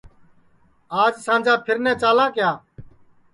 آج سانجا پیرنے چالاں کیا